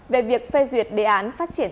về việc phê duyệt đề án phát triển